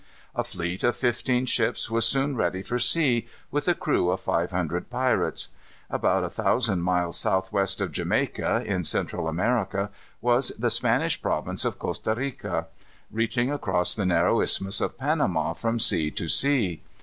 A fleet of fifteen ships was soon ready for sea, with a crew of five hundred pirates. About a thousand miles southwest of Jamaica, in Central America, was the Spanish province of Costa Rica, reaching across the narrow Isthmus of Panama from sea to sea.